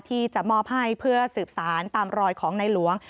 ที่จะมอบให้เพื่อสืบสารตามรอยของในหลวง